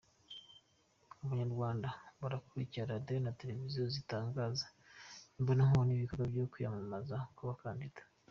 Abanyarwanda barakurikira radiyo na televiziyo zitangaza imbonankubone ibikorwa byo kwiyamamaza kw’abakandida.